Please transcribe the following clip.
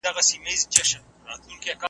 ¬ اصل بې بها وي، کم اصل بها وي.